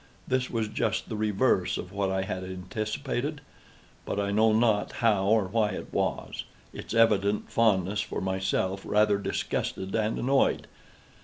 This was just the reverse of what I had anticipated; but—I know not how or why it was—its evident fondness for myself rather disgusted and annoyed.